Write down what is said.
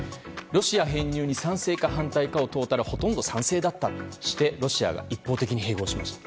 ロシア編入に賛成か反対かを問ったらほとんどが賛成だったとしてロシアが一方的に併合しました。